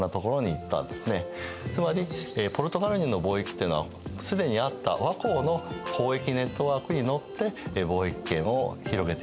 つまりポルトガル人の貿易っていうのはすでにあった倭寇の交易ネットワークにのって貿易圏を広げていったんですね。